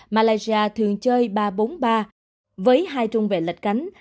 malaysia thường chơi ba bốn ba với hai trung vệ lệch cánh